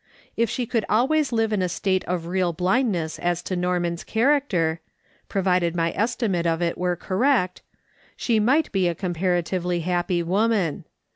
If she could always live in a state of real blindness as to Norman's character — provided my estimate of it were correct — she might be a comparatively happy woman.